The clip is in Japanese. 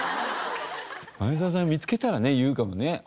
前澤さん見つけたらね言うかもね。